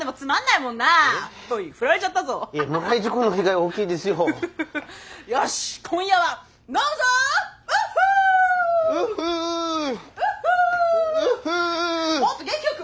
もっと元気よく！